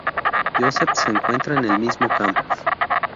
Joseph se encuentran en el mismo campus.